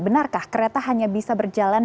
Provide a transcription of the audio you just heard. benarkah kereta hanya bisa berjalan